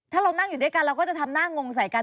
ถ้าเรานั่งอยู่ด้วยกันเราก็จะทำหน้างงใส่กัน